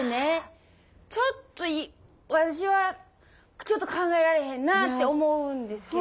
ちょっと私はちょっと考えられへんなぁって思うんですけど。